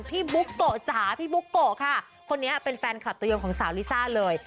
บุ๊กโกะจ๋าพี่บุ๊กโกะค่ะคนนี้เป็นแฟนคลับตัวยงของสาวลิซ่าเลย